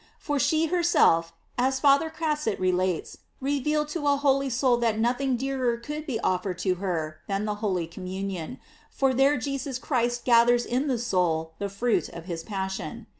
For she herself, as Father Crasset relates,* revealed to a holy soul that nothing dearer could be offered to her than the holy communion, for there Jesus Christ gathers in the soul the fruit of his passion.